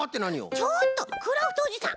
ちょっとクラフトおじさん！